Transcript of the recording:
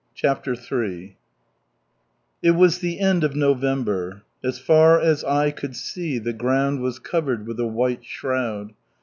CHAPTER III It was the end of November. As far as eye could see the ground was covered with a white shroud.